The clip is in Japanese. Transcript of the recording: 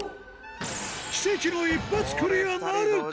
奇跡の一発クリアなるか？